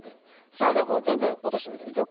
さいごはこうぜんぶおとしてみるよ。